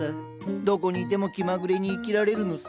どこにいても気まぐれに生きられるのさ。